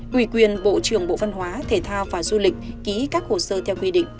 ủy quyền bộ trưởng bộ văn hóa thể thao và du lịch ký các hồ sơ theo quy định